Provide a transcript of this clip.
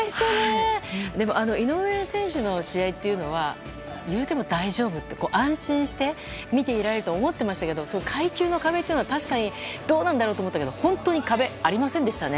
でも、井上選手の試合っていうても、大丈夫！って安心して見ていられると思っていましたけど階級の壁は確かにどうなんだろうと思ったけど本当に壁、ありませんでしたね。